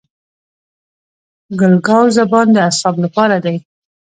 ګل ګاو زبان د اعصابو لپاره دی.